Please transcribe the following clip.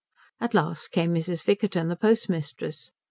At last came Mrs. Vickerton the postmistress.